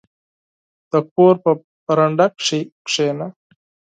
• د کور په برنډه کښېنه.